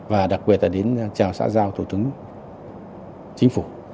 và đặc biệt là đến chào xã giao thủ tướng chính phủ